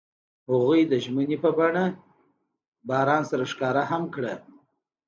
هغوی د ژمنې په بڼه باران سره ښکاره هم کړه.